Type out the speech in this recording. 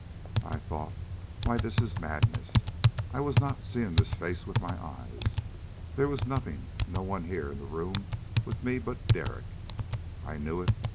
I thought, "Why, this is madness!" I was not seeing this face with my eyes. There was nothing, no one here in the room with me but Derek. I knew it.